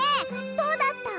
どうだった？